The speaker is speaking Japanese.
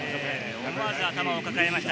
思わず頭を抱えました。